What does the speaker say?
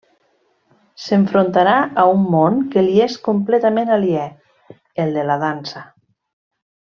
S'enfrontarà a un món que li és completament aliè, el de la dansa.